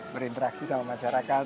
berinteraksi sama masyarakat